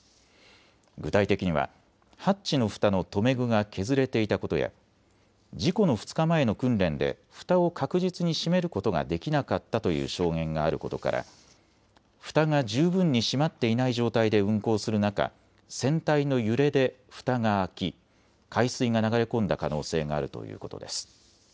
具体的にはハッチのふたの留め具が削れていたことや事故の２日前の訓練でふたを確実に閉めることができなかったという証言があることからふたが十分に閉まっていない状態で運航する中、船体の揺れでふたが開き、海水が流れ込んだ可能性があるということです。